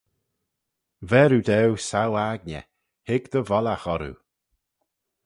Ver oo daue sou-aigney, hig dty vollaght orroo.